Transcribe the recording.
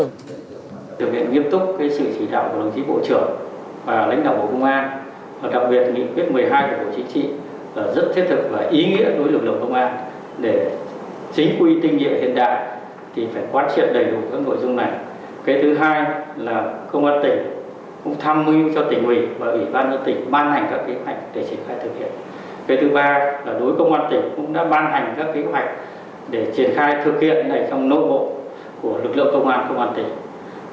cái thứ ba là đối với công an tỉnh cũng đã ban hành các kế hoạch để triển khai thực hiện này trong nội bộ của lực lượng công an công an tỉnh